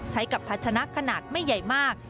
ใช้กับพัชนะขนาดไม่ใหญ่มาก